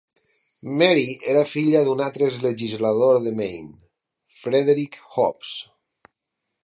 Mary era filla d'un altre exlegislador de Maine, Frederick Hobbs.